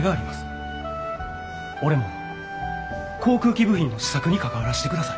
俺も航空機部品の試作に関わらしてください。